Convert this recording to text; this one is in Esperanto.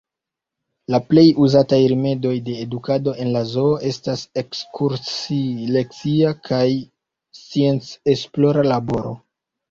La plej uzataj rimedoj de edukado en la zoo estas ekskursi-lekcia kaj scienc-esplora laboro.